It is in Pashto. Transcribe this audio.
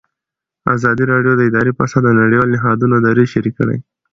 ازادي راډیو د اداري فساد د نړیوالو نهادونو دریځ شریک کړی.